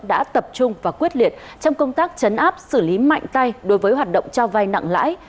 đã tập trung và quyết liệt trong công tác chấn áp xử lý mạnh tay đối với hoạt động cho vai nặng lãi